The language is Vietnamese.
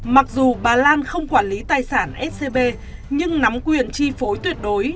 mặc dù bà lan không quản lý tài sản scb nhưng nắm quyền chi phối tuyệt đối